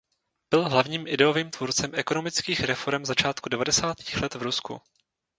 Byl hlavním ideovým tvůrcem ekonomických reforem začátku devadesátých let v Rusku.